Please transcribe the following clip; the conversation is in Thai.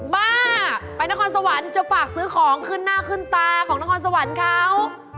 บ้าไปนครสวรรค์จะฝากซื้อของขึ้นหน้าขึ้นตาของนครสวรรค์เขา